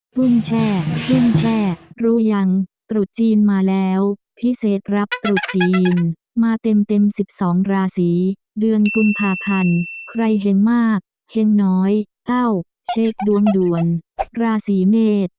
กุ้งแช่กุ้งแช่รู้ยังตรุษจีนมาแล้วพิเศษรับตรุษจีนมาเต็ม๑๒ราศีเดือนกุมภาพันธ์ใครเห็นมากเห็นน้อยเอ้าเช็คดวงด่วนราศีเมษ